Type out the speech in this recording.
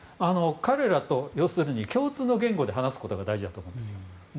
彼らと共通の言語で話すことが大事だと思います。